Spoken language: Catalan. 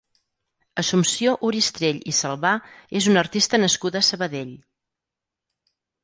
Assumpció Oristrell i Salvà és una artista nascuda a Sabadell.